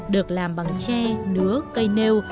được làm bằng tre nứa cây nêu